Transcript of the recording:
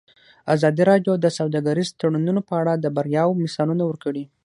ازادي راډیو د سوداګریز تړونونه په اړه د بریاوو مثالونه ورکړي.